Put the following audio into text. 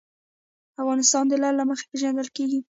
افغانستان د لعل له مخې پېژندل کېږي.